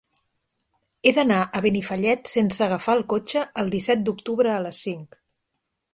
He d'anar a Benifallet sense agafar el cotxe el disset d'octubre a les cinc.